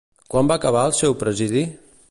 Quan va acabar el seu presidi?